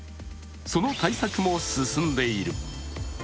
その対策も進んでいる。